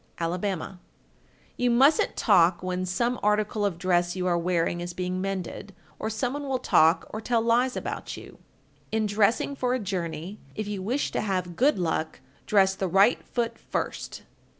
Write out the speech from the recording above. Alabama. 1384. You mustn't talk when some article of dress you are wearing is being mended, or some one will talk or tell lies about you. 1385. In dressing for a journey, if you wish to have good luck, dress the right foot first.